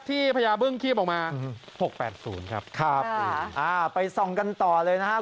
พญาบึ้งคีบออกมา๖๘๐ครับครับไปส่องกันต่อเลยนะครับ